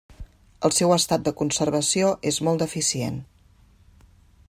El seu estat de conservació és molt deficient.